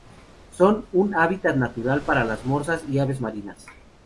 Son un hábitat natural para las morsas y aves marinas.